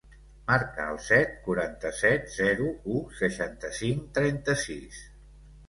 Marca el set, quaranta-set, zero, u, seixanta-cinc, trenta-sis.